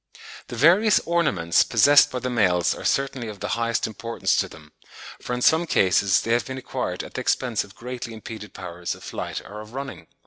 The various ornaments possessed by the males are certainly of the highest importance to them, for in some cases they have been acquired at the expense of greatly impeded powers of flight or of running.